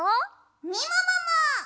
みももも！